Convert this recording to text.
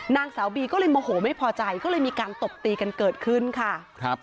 นางสาวบีก็เลยโมโหไม่พอใจก็เลยมีการตบตีกันเกิดขึ้นค่ะครับ